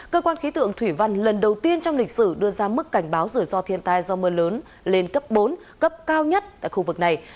cơ quan khí tượng thủy văn lần đầu tiên trong lịch sử đưa ra mức cảnh báo rủi ro thiên tai do mưa lớn lên cấp bốn cấp cao nhất tại khu vực này